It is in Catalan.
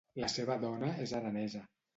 La seva dona és aranesa.